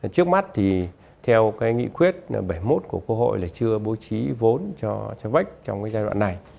trước mắt thì theo nghị quyết bảy mươi một của cơ hội là chưa bố trí vốn cho vec trong giai đoạn này